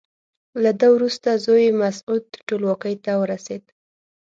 له ده وروسته زوی یې مسعود ټولواکۍ ته ورسېد.